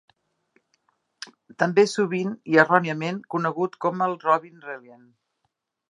També és sovint, i erròniament, conegut com el "Robin Reliant".